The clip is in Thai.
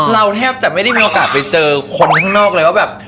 แทบจะไม่ได้มีโอกาสไปเจอคนข้างนอกเลยว่าแบบ